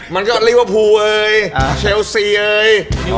มันก็เรียกว่าพูเอ้ยเชลซีเอ้ย